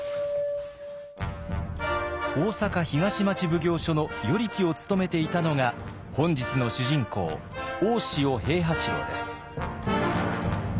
大坂東町奉行所の与力を務めていたのが本日の主人公大塩平八郎です。